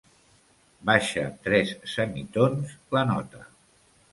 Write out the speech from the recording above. Baixa tres semitons la nota.